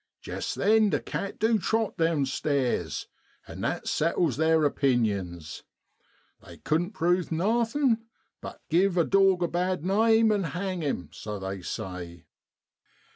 Jest then the cat du trot downstairs, and that settles theer opinions. They couldn't prove nothin', but * give a dawg a bad name an' hang 'im,' so they say